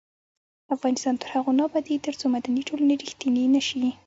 افغانستان تر هغو نه ابادیږي، ترڅو مدني ټولنې ریښتینې نشي.